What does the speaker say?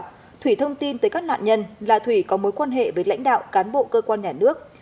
trần thủy thông tin tới các nạn nhân là thủy có mối quan hệ với lãnh đạo cán bộ cơ quan nhà nước